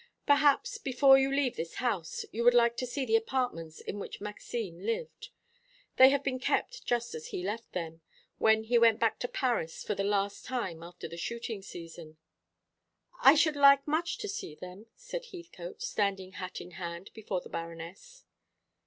Perhaps, before you leave this house, you would like to see the apartments in which Maxime lived. They have been kept just as he left them when he went back to Paris for the last time after the shooting season." "I should like much to see them," said Heathcote, standing hat in hand before the Baroness.